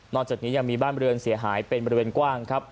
นอนจากนี้ยังมีบ้านบริเวณเสียหายเป็นบริเวณกว้าง